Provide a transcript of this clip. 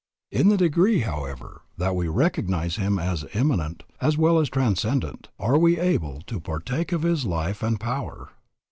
In the degree, however, that we recognize Him as immanent as well as transcendent, are we able to partake of His life and power.